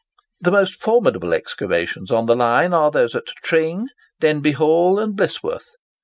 The most formidable excavations on the line are those at Tring, Denbigh Hall, and Blisworth.